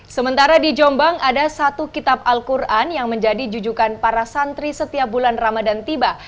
sementara di jombang ada satu kitab al quran yang menjadi jujukan para santri setiap bulan ramadan tiba